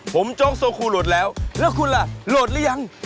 ผมโจ๊กโซคูโหลดแล้วแล้วคุณล่ะโหลดหรือยัง